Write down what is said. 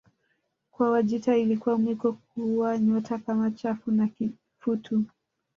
Kwa Wajita ilikuwa mwiko kuua nyoka kama chatu na kifutu